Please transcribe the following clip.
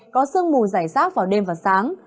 có sương mù dày sát vào đêm và sáng